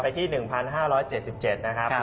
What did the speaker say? ก็ปิดไป๑๕๗๗นะครับ